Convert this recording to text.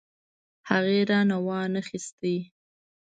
هغې رانه وانه خيستې.